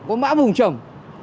có mã vùng trồng